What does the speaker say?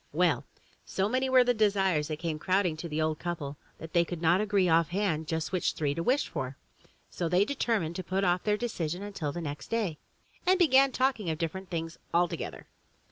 Well, so many were the desires that came crowding to the old couple, that they could not agree off hand on just which three to wish for. So they determined to put off their de cision until the next day and began talking of different things altogether.